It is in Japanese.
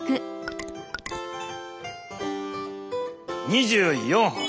２４本。